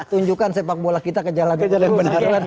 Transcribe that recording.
tunjukkan sepak bola kita ke jalan yang benar